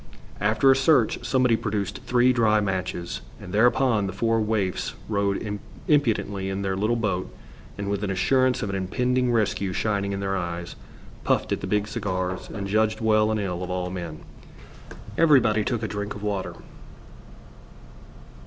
After a search, somebody produced three dry matches, and thereupon the four waifs rode impudently in their little boat, and with an assurance of an impending rescue shining in their eyes, puffed at the big cigars and judged well and ill of all men. Everybody took a drink of water.